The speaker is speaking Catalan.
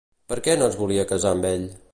Per què no es volia casar amb ell?